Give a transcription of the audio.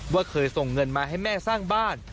เคยส่งเงินมาให้แม่สร้างบ้าน